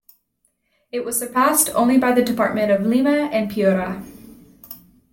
It was surpassed only by the Department of Lima and Piura.